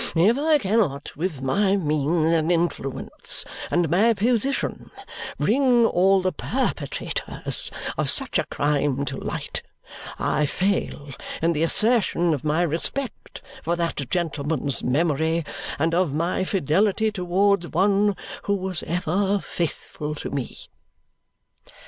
If I cannot with my means and influence and my position bring all the perpetrators of such a crime to light, I fail in the assertion of my respect for that gentleman's memory and of my fidelity towards one who was ever faithful to me."